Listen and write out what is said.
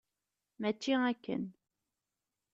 Mačči akken.